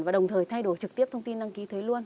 và đồng thời thay đổi trực tiếp thông tin đăng ký thuế luôn